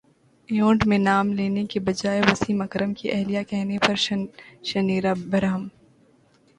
event میں نام لینے کے بجائے وسیم اکرم کی اہلیہ کہنے پر شنیرا برہم